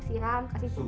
siram kasih pupuk